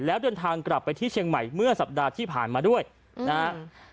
แล้วเดินทางกลับไปที่เชียงใหม่เมื่อสัปดาห์ที่ผ่านมาด้วยนะครับ